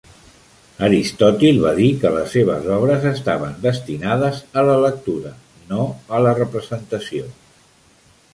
Aristòtil va dir que les seves obres estaven destinades a la lectura, no a la representació.